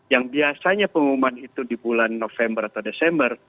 yang biasanya pengumuman itu di bulan november atau desember